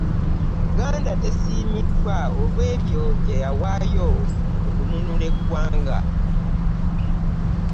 Buganda tesiimiddwa olw'ebyo bye yawaayo mu kununula eggwanga